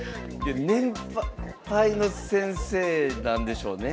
年配の先生なんでしょうね。